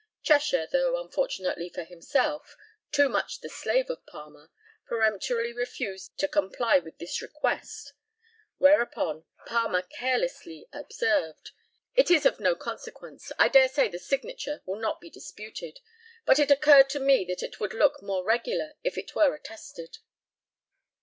Cheshire, though unfortunately for himself, too much the slave of Palmer, peremptorily refused to comply with this request; whereupon Palmer carelessly observed, "It is of no consequence; I dare say the signature will not be disputed, but it occurred to me that it would look more regular if it were attested."